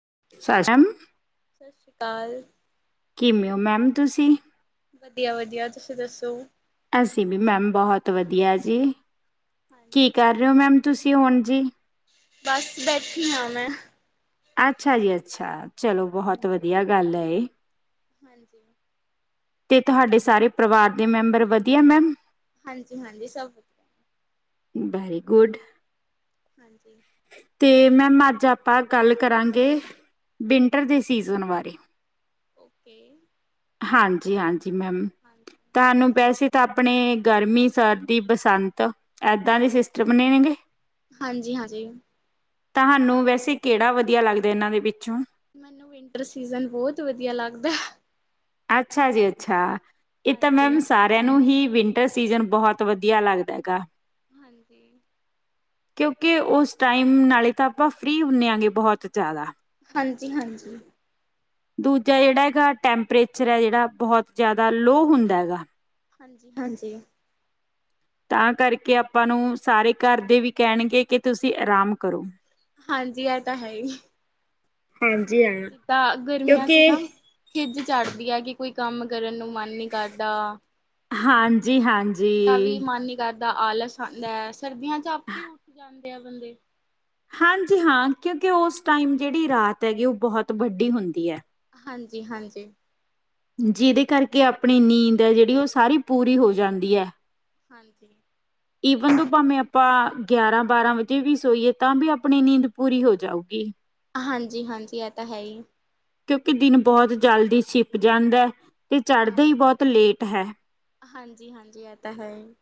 [unintelligible] ਸਤਿ ਸ਼੍ਰੀ ਅਕਾਲ। ਕਿਵੇਂ ਹੋ ਮੈਮ, ਤੁਸੀਂ ਵਧੀਆ, ਵਧੀਆ ਤੁਸੀਂ ਦੱਸੋ ਅਸੀਂ ਵੀ ਮੈਮ, ਬਹੁਤ ਵਧੀਆ ਜੀ। ਕੀ ਹਾਂਜੀ ਕਰ ਰਹੇ ਓ ਮੈਮ, ਤੁਸੀਂ ਹੁਣ ਜੀ। ਬਸ ਬੈਠੀ ਹਾਂ ਮੈਂ ਅੱਛਾ ਜੀ, ਅੱਛਾ। ਚਲੋ ਬਹੁਤ ਹਾਂਜੀ ਵਧੀਆ ਗੱਲ ਐ, ਇਹ ਹਾਂਜੀ। ਤੇ ਤੁਹਾਡੇ ਸਾਰੇ ਪਰਿਵਾਰ ਦੇ, ਮੈਂਬਰ ਵਧੀਆ ਮੈਮ ਹਾਂਜੀ, ਹਾਂਜੀ ਸਭ ਵੈਰੀ ਗੁਡ। ਹਾਂਜੀ। ਅਤੇ ਮੈਮ ਅੱਜ ਆਪਾਂ ਗੱਲ ਕਰਾਂਗੇ, ਵਿੰਟਰ ਦੇ ਸੀਜ਼ਨ ਬਾਰੇ ਓਕੇ। ਹਾਂਜੀ ‌, ਹਾਂਜੀ। ਮੈਮ, ਹਾਂਜੀ ਤੁਹਾਨੂੰ ਹਾਂਜੀ ਵੈਸੇ ਤਾਂ ਆਪਣੇ ਗਰਮੀ ਸਰਦੀ, ਬਸੰਤ, ਏਦਾਂ ਦੇ ਸਿਸਟਰਮ ਨੇ ਹੇਗੇ। ਹਾਂਜੀ, ਹਾਂਜੀ ਤੁਹਾਨੂੰ, ਵੈਸੇ ਕਿਹੜਾ ਵਧੀਆ ਲੱਗਦਾ? ਇਹਨਾਂ ਦੇ ਵਿੱਚੋਂ ਮੈਨੂੰ, ਵਿੰਟਰ ਸੀਜਨ ਬਹੁਤ ਵਧੀਆ ਲੱਗਦਾ। ਅੱਛਾ ਜੀ, ਅੱਛਾ। ਇਹ ਤਾਂ ਹਾਂਜੀ ਮੈਮ ਸਾਰਿਆਂ ਨੂੰ ਹੀ ਵਿੰਟਰ ਸੀਜਨ ਬਹੁਤ ਵਧੀਆ ਲੱਗਦਾ ਹੈਗਾ। ਹਾਂਜੀ। ਕਿਉਂਕਿ, ਉਸ ਟਾਈਮ ਨਾਲੇ ਤਾਂ ਆਪਾਂ ਫ੍ਰਰੀ ਹੁੰਨੇ ਆਗੇ, ਬਹੁਤ ਜਿਆਦਾ। ਹਾਂਜੀ, ਹਾਂਜੀ। ਦੂਜਾ ਜਿਹੜਾ ਹੈਗਾ ਟੈਂਪਰੇਚਰ ਹੈ ਜਿਹੜਾ ਬਹੁਤ ਜ਼ਿਆਦ ਲੋ ਹੁੰਦਾ ਹੈਗਾ ਹਾਂਜੀ ਹਾਂਜੀ ਤਾਂ ਕਰਕੇ ਆਪਾਂ ਨੂੰ ਸਾਰੇ ਘਰ ਦੇ ਵੀ ਕਹਿਣਗੇ ਕਿ ਤੁਸੀਂ ਆਰਾਮ ਕਰੋ। ਹਾਂਜੀ ਇਹ ਤਾਂ ਹੈ ਹੀ। ਹਾਂਜੀ ਹਾਂ ਜਿੱਦਾਂ ਗਰਮੀ ਦਨਿਆ ਚ ਕਿਉਂਕਿ ਨਾ ਖਿੱਝ ਚੜਦੀ ਹੈ, ਕਿ ਕੋਈ ਕੰਮ ਕਰਨ ਨੂੰ ਮਨ ਮਨ ਨ ਕਰਦਾ, ਹਾਂਜੀ-ਹਾਂਜੀ। ਉੱਠਣ ਦਾ ਵੀ ਹਾਂਜੀ ਮਨ ਨੀ ਕਰਦਾ। ਦਾ ਆਲਸ ਆਉਂਦਾ ਹੈ। ਸਰਦੀਆਂ ਚ ਆਪੇ ਉੱਠ ਜਾਨ ਕਿਆ ਬੰਦੇ ਹਾਂਜੀ ਹਾਂ, ਕਿਉਂਕਿ ਉਸ ਟਾਈਮ ਜਿਹੜੀ ਰਾਤ ਹੈਗੀ ਉਹ ਬਹੁਤ ਬਡੀ ਹੁੰਦੀ ਹੈ। ਹਾਂਜੀ-ਹਾਂਜੀ। ਜਿਹਦੇ ਕਰਕੇ ਆਪਣੀ ਨੀਂਦ ਹੈ ਜਿਹੜੀ ਉਹ ਸਾਰੀ ਪੂਰੀ ਹੋ ਜਾਂਦੀ ਹੈ। ਹਾਂਜੀ। ਇਹ ਬਧ ਆਪਾਂ [unintelligible] ਗਿਆਰਾਂ ਬਾਰਾਂ ਵਜੇ ਵੀ ਸੋਈਏ ਤਾਂ ਵੀ ਆਪਣੀ ਨੀਂਦ ਪੂਰੀ ਹੋ ਜਾਊਗੀ। ਹਾਂਜੀ-ਹਾਂਜੀ ਇਹ ਤਾਂ ਹੈ ਹੀ। ਕਿਉਂਕਿ ਦਿਨ ਬਹੁਤ ਜਲਦੀ ਸ਼ਿਪ ਜਾਂਦਾ ਹੈ। ਤੇ ਚੜ੍ਹਦਾ ਹਾਂਜੀ, ਹੀ ਬਹੁਤ ਲੇਟ ਹੈ ਹਾਂਜੀ-ਹਾਂਜੀ ਇਹ ਤਾਂ ਹੈ ਹੀ।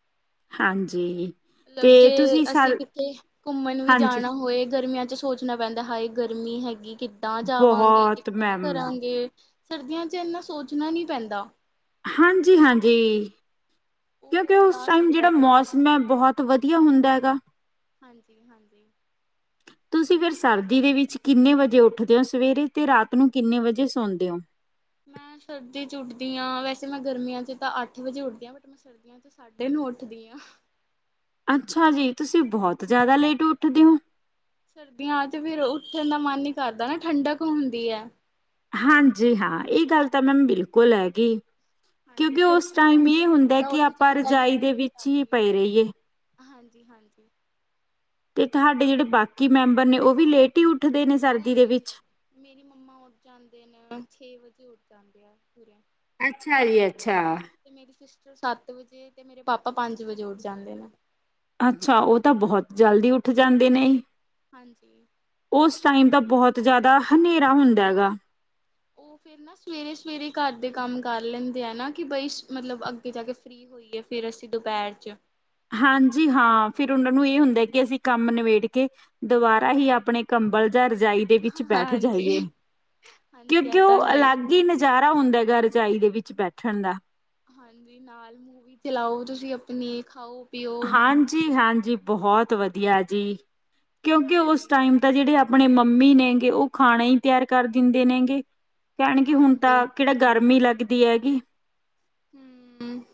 ਹਾਂਜੀ। ਤੇ ਮਤਲਬ ਜੇ ਤੁਸੀਂ ਅਸੀਂ ਸਰ ਕਿੱਥੇ ਘੁੰਮਣ ਵੀ ਹਾਂਜੀ ਜਾਣਾ ਹੋਏ, ਗਰਮੀਆਂ ਤੇ ਸੋਚਣਾ ਪੈਂਦਾ ਹਾਏ ਗਰਮੀ ਹੈਗੀ। ਕਿੱਦਾਂ ਜਾਵਾਂਗੇ, ਬਹੁਤ ਕਿੱਦਾਂ ਮੈਮ ਕਰਾਂਗੇ। ਸਰਦੀਆਂ ਚ ਇੰਨਾ ਸੋਚਣਾ ਨੀ ਪੈਂਦਾ। ਹਾਂਜੀ-ਹਾਂਜੀ। ਕਿਉਂਕਿ ਉਹ ਉਸ ਜਾ ਟਾਈਮ ਸਕਦਾ ਜਿਹੜਾ ਫਿਰ ਬੰਦਾ। ਮੌਸਮ ਹੈ। ਬਹੁਤ ਵਧੀਆ ਹੁੰਦਾ ਹੈ। ਦਾ ਹਾਂਜੀ-ਹਾਂਜੀ ਤੁਸੀਂ ਫਿਰ ਸਰਦੀ ਦੇ ਵਿੱਚ ਕਿੰਨੇ ਵਜੇ ਉੱਠਦੇ ਹੋ ਸਵੇਰੇ ਤੇ ਰਾਤ ਨੂੰ ਕਿੰਨੇ ਵਜੇ ਸੌਦੇ ਹੋ। ਮੈਂ ਸਰਦੀ ਚ ਉੱਠਦੀ ਹਾਂ, ਵੈਸੇ ਮੈਂ ਗਰਮੀਆਂ ਚ ਤਾਂ ਅੱਠ ਵਜੇ ਉੱਠਦੀ ਹਾਂ ਬਟ ਮੈਂ ਸਰਦੀਆਂ ਚ ਸਾਢੇ ਨੂੰ ਉੱਠਦੀ ਹਾਂ। ਅੱਛਾ ਜੀ ਤੁਸੀਂ ਬਹੁਤ ਜ਼ਿਆਦਾ ਲੇਟ ਉੱਠਦੇ ਹੋ। ਸਰਦੀਆਂ ਚ ਫਿਰ ਉੱਠਣ ਦਾ ਮਨ ਹੀ ਕਰਦਾ ਨਾ ਠੰਡਕ ਹੁੰਦੀ ਹੈ। ਹਾਂਜੀ ਹਾਂ, ਇਹ ਗੱਲ ਤਾਂ ਮੈਮ ਬਿਲਕੁਲ ਹੈਗੀ। ਹਾਂਜੀ ਕਿਉਂਕਿ ਉਸ ਗਰਮੀ ਟਾਈਮ ਕਰਕੇ ਇਹ ਤਾਂ ਹੁੰਦਾ ਬੰਦਾ ਕਿ ਉੱਠ ਆਪਾਂ ਜਾਂਦਾ ਹੈ ਰਜਾਈ ਦੇ ਵਿੱਚ ਹੀ ਪਏ ਰਹੀਏ। ਹਾਂਜੀ-ਹਾਂਜੀ। ਤੇ ਤੁਹਾਡੇ ਜਿਹੜੇ ਬਾਕੀ ਮੈਂਬਰ ਨੇ ਉਹ ਵੀ ਲੇਟੀ ਉਠ ਨਹੀਂ-ਨਹੀਂ-ਨਹੀਂ ਮੇਰੀ ਮੰਮਾ ਉੱਠ ਜਾਂਦੇ ਨੇ ਛੇ ਵਜੇ ਉੱਠ ਜਾਂਦੇ ਆ ਪੂਰੇ। ਅੱਛਾ ਜੀ, ਅੱਛਾ। ਤੇ ਮੇਰੀ ਸਿਸਟਰ ਸੱਤ ਵਜੇ ਤੇ ਮੇਰੇ ਪਾਪਾ ਪੰਜ ਵਜੇ ਉੱਠ ਜਾਂਦੇ ਨੇ। ਅੱਛਾ ਉਹ ਤਾਂ ਬਹੁਤ ਜਲਦੀ ਉੱਠ ਜਾਂਦੇ ਨੇ। ਹਾਂਜੀ। ਉਸ ਟਾਈਮ ਦਾ ਬਹੁਤ ਜ਼ਿਆਦਾ ਹਨੇਰਾ ਹੁੰਦਾ ਗਾ। ਉਹ ਫੇਰ ਨਾ ਸਵੇਰੇ- ਸਵੇਰੇ ਘਰ ਦੇ ਕੰਮ ਕਰ ਲੈਂਦੇ ਆ ਨਾ ਕਿ ਬਈ ਮਤਲਬ ਅੱਗੇ ਜਾ ਕੇ ਫਰੀ ਹੋਈ ਹੈ ਫਿਰ ਅਸੀਂ ਦੁਪਹਿਰ ਚ ਹਾਂਜੀ ਹਾਂ ਫਿਰ ਉਹਨਾਂ ਨੂੰ ਇਹ ਹੁੰਦਾ ਕਿ ਅਸੀਂ ਕੰਮ ਨਿਬੇੜ ਕੇ ਦੁਬਾਰਾ ਹੀ ਆਪਣੇ ਕੰਬਲ ਰਜਾਈ ਦੇ ਵਿੱਚ ਬੈਠ ਹਾਂਜੀ ਜਾਈਏ, ਹਾਂਜੀ ਇਹ ਕਿਉਂਕਿ ਤਾਂ ਉਹ ਹੈ ਅਲੱਗ ਹੀ ਨਜ਼ਾਰ ਰਾ ਹੁੰਦਾ ਹੈਗਾ ਰਜਾਈ ਦੇ ਵਿੱਚ ਬੈਠਣ ਦਾ। ਹਾਂਜੀ ਨਾਲ ਮੂਵੀ ਚਲਾਓ ਤੁਸੀਂ ਆਪਣੀ ਖਾਓ। ਪੀਓ ਹਾਂਜੀ -ਹਾਂਜੀ। ਜੀ ਬਹੁਤ ਵਧੀਆ ਜੀ। ਕਿਉਂਕਿ ਉਸ ਹਾਂਜੀ ਟਾਈਮ ਤਾਂ ਜਿਹੜੇ ਆਪ ਆਪਣੇ ਮੰਮੀ ਨੇਗੇ ਉਹ ਖਾਣਾ ਹੀ ਤਿਆਰ ਕਰ ਦਿੰਦੇ ਨੇਗੇ। ਕਹਿਣਗੇ ਕਿ ਹੁਣ ਹਾਂਜੀ ਤਾਂ ਕਿਹੜਾ ਗਰਮੀ ਲੱਗ ਦੀ ਹੈਗੀ। ਹੂੰ,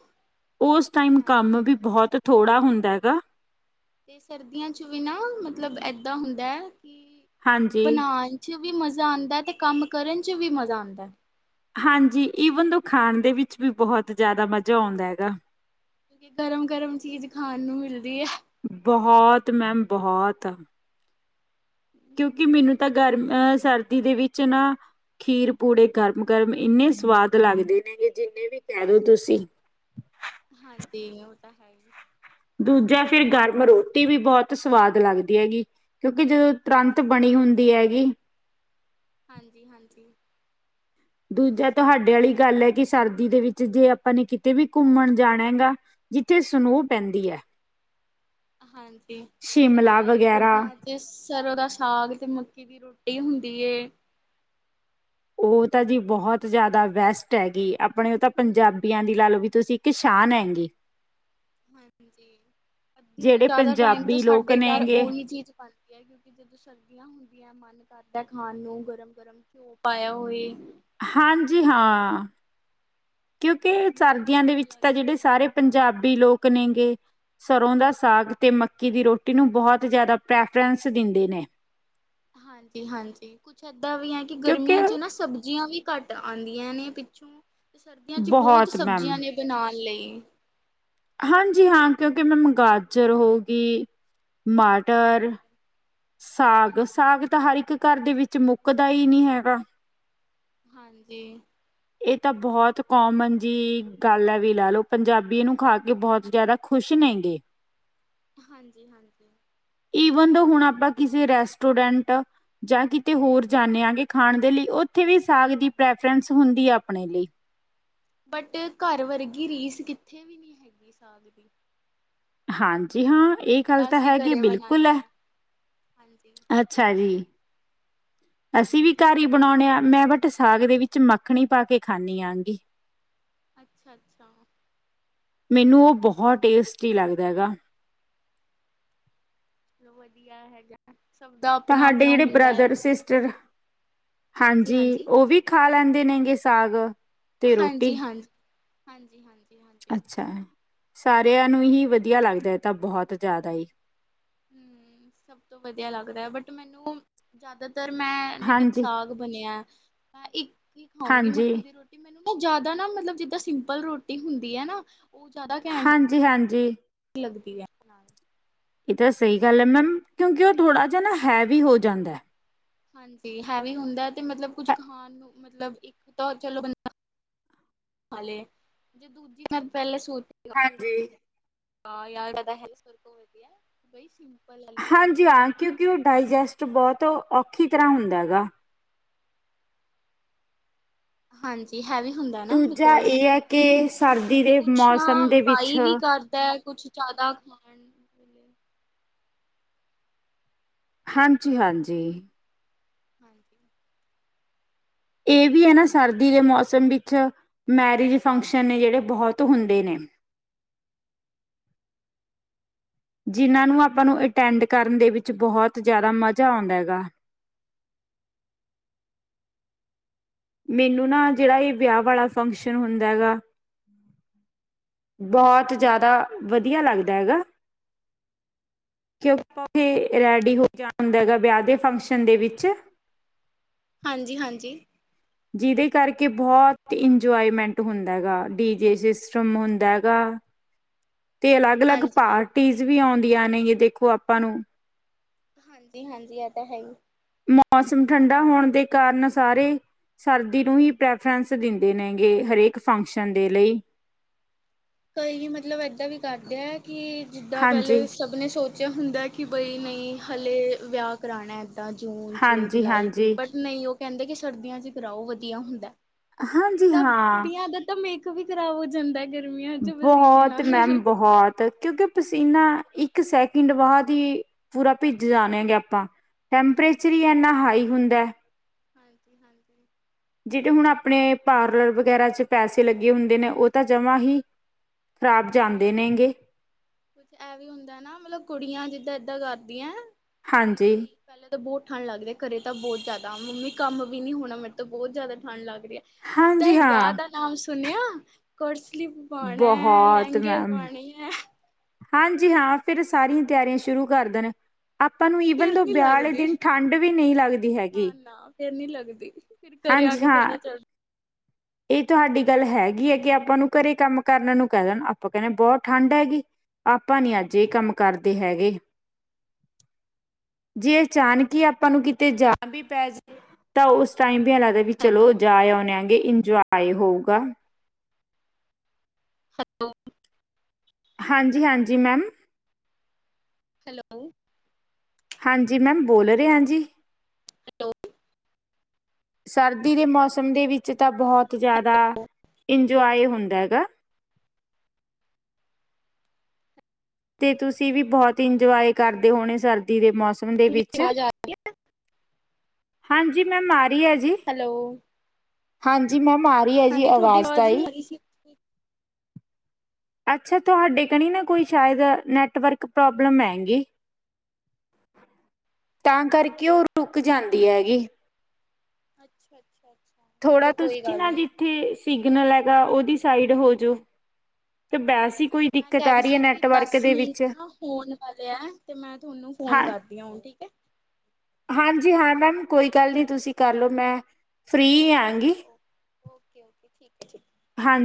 ਉਸ ਟਾਈਮ ਕੰਮ ਵੀ ਬਹੁਤ ਥੋੜ੍ਹਾ ਹੁੰਦਾ ਗਾ। ਤੇ ਸਰਦੀਆਂ ਚ ਵੀ ਨਾ ਮਤਲਬ ਏਦਾਂ ਹੁੰਦਾ ਐ। ਹਾਂਜੀ, ਚ ਵੀ ਮਜ਼ਾ ਆਂਦਾ ਤੇ ਕੰਮ ਕਰਨ ਚ ਵੀ ਮਜ਼ਾ ਆਂਦਾ। ਹਾਂਜੀ ਈਵਨ ਦੋ ਖਾਣ ਦੇ ਵਿੱਚ ਵੀ ਬਹੁਤ ਜ਼ਿਆਦਾ ਮਜ਼ਾ ਆਉਂਦਾ ਹੈਗਾ। ਕਿਉਂਕਿ ਗਰਮ- ਗਰਮ ਚੀਜ਼ ਖਾਣ ਨੂੰ ਮਿਲਦੀ ਐ। ਬਹੁਤ ਮੈਮ ਬਹੁਤ ਕਿਉਂ ਕਿ ਮੈਨੂੰ ਤਾਂ ਗਰਮ ਅਹ ਸਰ ਸਰਦੀ ਦੇ ਵਿੱਚ ਨਾ ਖੀਰ ਪੂੜੇ ਗਰਮ -ਗਰਮ ਇੰਨੇ ਸਵਾਦ ਲੱਗਦੇ ਨੇਗੇ ਜਿੰਨੇ ਵੀ ਕਹਿ ਦੋ ਤੁਸੀਂ। ਹਾਂਜੀ ਉਹ ਤਾਂ ਹੈ ਹੀ। ਦੂਜਾ ਫਿਰ ਗਰਮ ਰੋਟੀ ਵੀ ਬਹੁਤ ਸਵਾਦ ਲੱਗਦੀ ਹੈਗੀ। ਕਿਉਂਕਿ ਜਦੋਂ ਤੁਰੰਤ ਹਾਂਜੀ ਬਣੀ ਹੁੰਦੀ ਹੈਗੀ। ਹਾਂਜੀ -ਹਾਂਜੀ। ਦੂਜਾ ਤੁਹਾਡੇ ਆਲੀ ਗੱਲ ਹੈ ਕਿ ਸਰਦੀ ਦੇ ਵਿੱਚ ਜੇ ਆਪਾਂ ਨੇ ਕਿਤੇ ਵੀ ਘੁੰਮਣ ਜਾਣਾ ਗਾ ਜਿੱਥੇ ਸਨੋਹ ਪੈਂਦੀ ਐ ਹਾਂਜੀ ਤੇ ਨਾਲ ਵਗੈਰਾ ਸਰਦੀਆਂ ਚ ਸਰੋਂ ਦਾ ਸਾਗ ਤੇ ਮੱਕੀ ਦੀ ਰੋਟੀ ਹੁੰਦੀ ਏ। ਉਹ ਤਾਂ ਜੀ ਬਹੁਤ ਜ਼ਿਆਦਾ ਬੈਸਟ ਹੈਗੀ ਆਪ ਆਪਣੇ ਉਹ ਤਾਂ ਪੰਜਾਬੀਆਂ ਦੀ ਲਾ ਲਓ ਵੀ ਤੁਸੀਂ ਇੱਕ ਸ਼ਾਨ ਹੈਂਗੀ। ਹਾਂਜੀ ਅੱਧੇ ਤੋਂ ਜ਼ਿਆਦਾ ਟਾਈਮ ਤਾਂ ਪੰਜਾਬੀ ਲੋਕ ਸਾਡੇ ਘਰ ਨੇਗੇ ਉਹੀ ਚੀਜ਼ ਬਣਦੀ ਹੈ ਕਿਉਂਕਿ ਜਦੋਂ ਸਰਦੀਆਂ ਹੁੰਦੀਆਂ ਮਨ ਕਰਦਾ। ਖਾਣ ਨੂੰ ਗਰਮ ਗਰਮ ਘਿਓ ਪਾਇਆ ਹੋਵੇ। ਹਾਂਜੀ ਹਾਂ। ਕਿਉਂਕਿ ਬਹੁਤ ਸਰਦੀਆਂ ਦੇ ਵਧੀਆ ਵਿੱਚ ਤਾਂ ਲੱਗਦਾ ਜਿਹੜੇ ਸਾਰੇ ਪੰਜਾਬੀ ਲੋਕ ਨੇ ਗੇ ਸਰ੍ਹੋਂ ਦਾ ਸਾਗ ਤੇ ਮੱਕੀ ਦੀ ਰੋਟੀ ਨੂੰ ਬਹੁਤ ਜ਼ਿਆਦਾ ਪ੍ਰੈਫਰੈਂਸ ਦਿੰਦੇ ਨੇ। ਹਾਂਜੀ ਹਾਂਜੀ ਕੁੱਛ ਏਦਾਂ ਵੀ ਹੈ ਕਿ ਕਿਉਂਕਿ ਗਰਮੀਆਂ ਚ ਨਾ ਸਬਜ਼ੀਆਂ ਵੀ। ਘੱਟ ਆਉਂਦੀਆਂ ਨੇ ਪਿੱਛੋਂ। ਸਰਦੀਆਂ ਚ ਬਹੁਤ ਸਬਜ਼ੀਆਂ ਨੇ ਬਣਾਉਣ ਲਈ। [inaudible] ਹਾਂਜੀ ਹਾਂ ਕਿਉਂਕਿ ਮੈਮ ਗਾਜਰ ਹੋ ਗਈ। ਮਟਰ। ਹਾਂਜੀ ਸਾਗ ਹਾਂਜੀ, ਸਾਗ ਤਾਂ ਹਰ ਇੱਕ ਘਰ ਦੇ ਵਿੱਚ ਮੁੱਕਦਾ ਹੀ ਨਹੀਂ ਹੈਗਾ ਹੈ। ਹਾਂਜੀ। ਇਹ ਤਾਂ ਬਹੁਤ ਕੋਮਨ ਜੀ ਗੱਲ ਹੈ ਵੀ ਲਾ ਲਓ ਪੰਜਾਬੀ ਇਹ ਨੂੰ ਖਾ ਕੇ ਬਹੁਤ ਜ਼ਿਆਦਾ ਖ਼ੁਸ਼ ਨੇ ਗੇ। ਹਾਂਜੀ ਹਾਂਜੀ। ਇਵਨ ਦੋ ਹੁਣ ਆਪਾਂ ਕਿਸੇ ਰੈਸਟੋਰੈਂਟ ਜਾਂ ਕਿਤੇ ਹੋਰ ਜਾਣੇ ਆ ਖਾਣ ਦੇ ਲਈ ਉਥੇ ਵੀ ਸਾਗ ਦੀ ਪ੍ਰੈਫਰਸ ਹੁੰਦੀ ਆ ਆਪਣੇ ਲਈ। ਬਟ ਘਰ ਵਰਗੀ ਰੀਸ ਕਿੱਥੇ ਵੀ ਨਹੀਂ ਹੈਗੀ ਸਾਗ ਦੀ। ਹਾਂਜੀ। ਜੀ ਹਾਂ ਇਹ ਗੱਲ ਜਿੱਦਾਂ ਤਾਂ ਅਸੀਂ ਹੈ ਘਰੇ ਬਿਲਕੁਲ ਬਣਾਨੇ ਹੈ। ਆ, ਹਾਂਜੀ, ਅੱਛਾ ਜੀ। ਅਸੀਂ ਵੀ ਹਾਂਜੀ। ਘਰ ਹੀ ਬਣਾਉਣੇ ਆ ਮੈਂ ਬਟ। ਬਟ ਸਾਗ ਦੇ ਵਿੱਚ ਮੱਖਣੀ ਪਾ ਕੇ ਖਾਣੀ ਆਂਗੀ। ਅੱਛਾ ਅੱਛਾ। ਮੈਨੂੰ ਉਹ ਬਹੁਤ ਟੇਸਟੀ ਲੱਗਦਾ ਹੈਗਾ। ਚਲੋ ਵਧੀਆ ਹੈਗਾ। ਸਭ ਦਾ ਤੁਹਾਡੇ ਆਪਣਾ-ਆਪਣਾ ਜਿਹੜੇ ਹੁੰਦਾ ਹੈ। ਬ੍ਰਦਰ ਸਿਸਟਰ ਹਾਂਜੀ ਉਹ ਵੀ ਖਾ ਲੈਂਦੇ। ਨੇਗੇ ਸਾਗ। ਤੇ ਰੋਟੀ ਹਾਂਜੀ ਹਾਂਜੀ। ਹਾਂਜੀ ਹਾਂਜੀ। ਅੱਛਾ। ਸਾਰਿਆਂ ਨੂੰ ਹੀ ਵਧੀਆ ਲੱਗਦਾ ਹੈ ਇਹ ਤਾਂ ਬਹੁਤ ਜ਼ਿਆਦਾ ਹੀ। ਹੂੰ ਸਭ ਤੋਂ ਵਧੀਆ ਲੱਗਦਾ ਹੈ ਬਟ ਮੈਨੂੰ ਜ਼ਿਆਦਾ। ਅਗਰ ਮੈਂ ਜਿੱਦਾਂ ਹਾਂਜੀ ਸਾਗ ਬਣਿਆ ਮੈਂ ਇੱਕ ਹੀ ਖਾਉਂਗੀ ਹਾਂਜੀ ਮੱਕੀ ਦੀ ਰੋਟੀ ਮੈਨੂੰ। ਉਹ ਜਿਆਦਾ ਨਾ ਮਤਲਬ ਜਿੱਦਾਂ ਸਿੰਪਲ ਰੋਟੀ ਹੁੰਦੀ ਹੈ ਨਾ। ਉਹ ਜ਼ਿਆਦਾ ਘੈਂਟ ਹਾਂਜੀ ਹਾਂਜੀ। [unintelligible] ਇਹ ਤਾ ਸਹੀ ਗੱਲ ਏ ਮੈਮ, ਕਿਉਂਕਿ ਉਹ ਥੋੜਾ ਜਿਹਾ ਨਾ ਹੈਵੀ ਹੋ ਜਾਂਦਾ ਹੈ। ਹਾਂਜੀ, ਹੈਵੀ ਹੁੰਦਾ ਏ ਤੇ ਮਤਲਬ ਕੁੱਛ ਹੈ- ਖਾਨ ਨੂੰ, ਮਤਲਬ ਇੱਕ ਤਾਂ ਚਲੋ ਬੰਦਾ ਖਾ ਲਏ, ਜੇ ਦੂਜੀ ਵਾਰ ਪਹਿਲਾਂ ਸੋਚੇ ਹਾਂਜੀ ਹਾਂ ਯਹਾਂ ਜਿਆਦਾ ਹੈਵੀ ਇਸ ਕਰਕੇ ਹੋਈ ਪਈ ਏ, ਕਿ ਬਈ ਸਿੰਪਲ ਵਾਲੀ ਖਾ ਲੋ ਹਾਂਜੀ ਤੁਸੀਂ ਹਾਂ, ਕਿਉਂਕਿ ਉਹ ਡਾਇਜੇਸਟ ਬਹੁਤ ਤਾਂ ਓਹ ਔਖੀ ਤਰਾਹ ਹੁੰਦਾ ਹੈਗਾ। ਹਾਂਜੀ ਹੈਵੀ ਹੁੰਦਾ ਨਾ ਦੂਜਾ ਬਿਕੋਜ ਇਹ ਹੈ ਕਿ, ਸਰਦੀ ਤੇ ਦੇ ਕੁਛ ਨਾ ਮੌਸਮ ਦੇ ਵਿੱਚ ਵਾਈ ਵੀ ਕਰਦਾ ਕੁਛ ਜਿਆਦਾ ਖਾਣ ਪੀਣ ਹਾਂਜੀ-ਹਾਂਜੀ। ਹਾਂਜੀ। ਇਹ ਵੀ ਹੈ ਨਾ ਸਰਦੀ ਦੇ ਮੌਸਮ ਵਿੱਚ ਮੈਰਿਜ ਫੰਕਸ਼ਨ ਨੇ ਜਿਹੜੇ, ਬਹੁਤ ਹੁੰਦੇ ਨੇਂ। ਜਿਹਨਾਂ ਨੂੰ ਆਪਾਂ ਨੂੰ ਅਟੈਂਡ ਕਰਨ ਦੇ ਵਿੱਚ ਬਹੁਤ ਜਿਆਦਾ ਮਜਾ ਆਉਂਦਾ ਹੈਗਾ। ਮੈਨੂੰ ਨਾ ਜਿਹੜਾ ਵੀ ਵਿਆਹ ਵਾਲਾ ਫੰਕਸ਼ਨ ਹੁੰਦਾ ਹੈਗਾ। ਬਹੁਤ ਜਿਆਦਾ ਵਧੀਆ ਲੱਗਦਾ ਹੈਗਾ, ਕਿਉਂਕਿ ਉਥੇ ਰੈਡੀ ਹੋ [inaudible] ਵਿਆਹ ਦੇ ਫੰਕਸ਼ਨ ਦੇ ਵਿੱਚ। ਹਾਂਜੀ-ਹਾਂਜੀ। ਜਿਹਦੇ ਕਰਕੇ ਬਹੁਤ ਇੰਜੋਏਮੈਂਟ ਹੁੰਦਾ ਹੈਗਾ, ਡੀ ਜੇ ਸਿਸਟਮ ਹੁੰਦਾ ਹੈਗਾ। ਤੇ ਅਲੱਗ-ਅਲੱਗ ਹਾਂਜੀ ਪਾਰਟੀਜ ਵੀ ਆਉਂਦੀ ਆਂ ਨੇ ਕਿ ਦੇਖੋ ਆਪਾਂ ਨੂੰ। ਹਾਂਜੀ-ਹਾਂਜੀ ਇਹ ਤਾ ਹੈ ਹੀ। ਮੌਸਮ ਠੰਡਾ ਹੋਣ ਦੇ ਕਾਰਨ ਸਾਰੇ ਸਰਦੀ ਨੂੰ ਹੀ ਪ੍ਰੈਫਰੈਂਸ ਦਿੰਦੇ ਨੇਗੇ, ਹਰੇਕ। ਫੰਕਸ਼ਨ ਹਾਂਜੀ ਦੇ ਲਈ। ਕਈ ਮਤਲਬ ਇਹਦਾਂ ਵੀ ਕਰਦੇ ਐਂ। ਕੀ ਜਿੱਹਦਾਂ ਹਾਂਜੀ ਪਹਿਲੇ ਸਭ ਨੇ ਸ਼ੋਸਲ ਚ ਹੁੰਦਾ ਏ ਕਿ ਬਈ, ਨਹੀਂ ਹਲੇ ਵਿਆਹ ਕਰਾਉਣਾ ਏ। ਤਾਂ ਜੂਨ ਚ ਹਾਂਜੀ ਜੁਲਾਈ ਚ ਈ, ਹਾਂਜੀ ਬਟ ਨਹੀਂ ਉਹ ਕਹਿੰਦੇ ਕਿ, ਸਰਦੀਆਂ ਚ ਹੀ ਕਰਾਓ ਵਧੀਆ ਹੁੰਦਾ ਏ। ਇੱਕ ਹਾਂਜੀ ਤਾਂ ਹਾਂ ਕੁੜੀਆਂ ਦੇ ਤਾਂ ਮੇਕ ਅਪ ਵੀ ਖਰਾਬ ਹੋ ਜਾਂਦਾ ਏ ਗਰਮੀ ਬਹੁਤ ਮੈਮ ਬਹੁਤ, ਕਿਉਂਕਿ ਪਸੀਨਾ ਇੱਕ ਸੈਕਿੰਡ ਬਾਦ ਹੀ ਪੂਰਾ ਭਿੱਜ ਜਾਨੇ ਹੈਗੇ ਆਪਾਂ, ਟੈਂਪਰੇਚਰ ਹੀ ਇਹਨਾਂ ਹਾਈ ਹੁੰਦਾ ਹੈ। ਹਾਂਜੀ-ਹਾਂਜੀ। ਜਿਹੜੇ ਹੁਣ ਆਪਣੇ ਪਾਰਲਰ ਵਗੈਰਾ ਚ ਪੈਸੇ ਲੱਗੇ ਹੁੰਦੇ ਨੇ, ਉਹ ਤਾਂ ਜਮਾਂ ਹੀ ਖ਼ਰਾਬ ਜਾਂਦੇ ਹੂੰ, ਨੇਗੇ ਕੁਛ ਇਹ ਵੀ ਹੁੰਦਾ ਏ ਨਾ, ਮਤਲਬ ਕੁੜੀਆਂ ਜਿੱਹਦਾਂ ਰਹਿਦੀਆਂ ਕਿ ਹਾਂਜੀ ਬਈ ਪੈਲੇ ਤੇ ਬਹੁਤ ਠੰਢ ਲੱਗ ਰਹੀ ਆ, ਘਰੇ ਤਾ ਬਹੁਤ ਜਿਆਦਾ, ਮੰਮੀ ਕੰਮ ਵੀ ਨੀ ਹੋਣਾ ਮੇਰੇ ਤੋ ਬਹੁਤ ਜਿਆਦਾ ਠੰਢ ਲੱਗ [inaudible] ਤਾਂ ਹਾਂਜੀ ਇਹ ਵਿਆਹ ਹਾਂ ਦਾ ਕੰਮ ਸੁਨਿਆ ਪਰਸ। ਸਲੀਪ ਬਣੇੈਲ। ਬਹੁਤ ਡੂੰਘੇ ਮੈਮ ਪਾਣੀ ਹੈ। ਹਾਂਜੀ ਹਾਂ ਫਿਰ ਸਾਰੀਆਂ ਤਿਆਰੀਆਂ ਸ਼ੁਰੂ ਕਰ ਦੇ ਨੇ। ਆਪਾਂ ਨੂੰ ਈਵਨ ਫਿਰ ਦੋ ਨੀ ਵਿਆਹ ਵਾਲੇ ਲੱਗਦੀ ਦਿਨ ਠੰਢ ਵੀ ਨਹੀਂ ਲੱਗਦੀ ਹੈਗੀ। ਫੇਰ ਨੀ ਲੱਗਦੀ। ਫਿਰ ਘਰੇ ਆ ਹਾਂਜੀ ਕੇ ਹਾਂ ਪਤਾ ਚੱਲ। ਇਹ ਤੁਹਾਡੀ ਗੱਲ ਹੈਗੀ ਹੈ ਕਿ ਆਪਾਂ ਨੂੰ ਘਰੇ ਕੰਮ ਕਰਨ ਨੂੰ ਕਹਿ ਦੇਣ ਆਪਾਂ ਕਹਿੰਦੇ ਬਹੁਤ ਠੰਡ ਹੈਗੀ ਆਪਾਂ ਨੀ ਅੱਜ ਇਹ ਕੰਮ ਕਰਦੇ ਹੈਗੇ ਜੇ ਅਚਾਨਕ ਹੀ ਆਪਾਂ ਨੂੰ ਕਿਤੇ ਜਾ ਵੀ ਪੈ ਜਾ ਤਾਂ ਉਸ ਟਾਈਮ ਵੀ ਲੱਗਦਾ ਵੀ ਚਲੋ ਜਾ ਆਉਣੇ ਆਗੇ। ਇਜਵਾਏ ਹੋਊਗਾ। ਹੈਲੋ। ਹਾਂਜੀ ਹਾਂਜੀ ਮੈਮ। ਹੈਲੋ। ਹਾਂਜੀ ਮੈਮ ਬੋਲ ਰਹੇ ਹਾਂ ਜੀ। ਸਰਦੀ ਦੇ ਮੌਸਮ ਦੇ ਵਿੱਚ ਤਾਂ ਬਹੁਤ ਜ਼ਿਆਦਾ ਇੰਜੋਏ ਹੁੰਦਾ ਗਾ। ਤੇ ਤੁਸੀਂ ਵੀ ਬਹੁਤ ਇੰਜੋਏ ਕਰਦੇ ਹੋਣੇ ਸਰਦੀ ਦੇ ਮੌਸਮ। ਮੌਸਮ ਦੇ ਵਿੱਚ ਆਵਾਜ਼ ਆ ਹਾਂਜੀ ਮੈਂ ਮਾਰੀ ਆ ਜੀ। ਹੈਲੋ ਹਾਂਜੀ ਮੈਮ। ਮਾਰੀ ਹੈ ਜੀ ਹਾਂਜੀ ਤੁਹਾਡੀ ਆਵਾਜ਼ ਤਾਂਈ। ਨਹੀਂ ਆ ਰਹੀ ਸੀ ਅੱਛਾ ਤੁਹਾਡੇ ਕਣੀ ਨਾ ਕੋਈ ਸ਼ਾਇਦ ਨੈਟਵਰਕ ਪ੍ਰੋਬਲਮ ਆ ਗੀ ਤਾਂ ਕਰਕੇ ਉਹ ਰੁਕ ਜਾਂਦੀ ਹੈ ਜੀ। ਅੱਛਾ ਅੱਛਾ। ਅੱਛਾ ਥੋੜਾ ਚਲੋ ਕੋਈ ਤੁਸੀਂ ਗੱਲ ਨਾ ਨਹੀਂ ਜਿੱਥੇ ਸਿਗਨਲ ਹੈਗਾ ਉਹਦੀ। ਸਾਈਡ ਹੋਜੋ। ਹਾਂਜੀ ਮੈਂ ਕਹਿ ਰਹੀ ਸੀ ਕਿ ਦਸ ਦੇ ਵਿੱਚ ਮਿੰਟ ਨਾ ਹੋਣ ਵਾਲੇ ਹੈ ਤੇ ਮੈਂ ਤੁਹਾਨੂੰ ਫੋਨ ਕਰਦੀ ਹਾਂ ਹੁਣ ਠੀਕ ਹੈ? ਹਾਂਜੀ ਹਾਂ ਮੈਮ ਕੋਈ ਗੱਲ ਨਹੀਂ ਤੁਸੀਂ ਕਰਲੋ ਮੈਂ। ਫ੍ਰੀ ਓਕੇ ਆਂਗੀ। ਓਕੇ ਓਕੇ ਓਕੇ ਠੀਕ ਹੈ ਠੀਕ। ਹਾਂਜੀ।